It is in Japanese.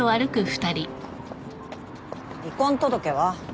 離婚届は？